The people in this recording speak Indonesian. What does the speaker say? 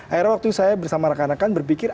akhirnya waktu saya bersama rekan rekan berpikir